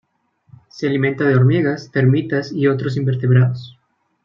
Se alimenta de hormigas, termitas y otros invertebrados.